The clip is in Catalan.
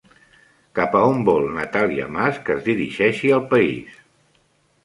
Cap on vol Natàlia Mas que es dirigeixi el país?